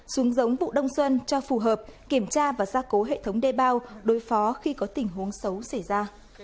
xuống giống vụ đông xuân cho phù hợp kiểm tra và gia cố hệ thống đê bao đối phó khi có tình huống xấu xảy ra